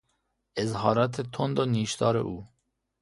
اظهارات تند و نیشدار او